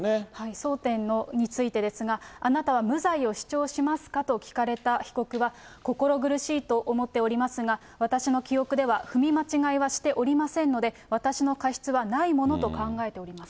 争点についてですが、あなたは無罪を主張しますかと聞かれた被告は、心苦しいと思っておりますが、私の記憶では踏み間違いはしておりませんので、私の過失はないものと考えております。